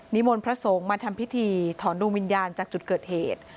มนต์พระสงฆ์มาทำพิธีถอนดวงวิญญาณจากจุดเกิดเหตุ